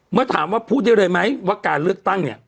เมื่อถามว่าพูดได้เลยไหมว่าการเลือกตั้งเนี่ย